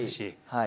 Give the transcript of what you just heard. はい。